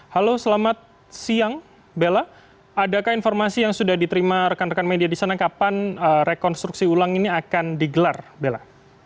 halo selamat siang bella adakah informasi yang sudah diterima rekan rekan media di sana kapan rekonstruksi ulang ini akan digelar bella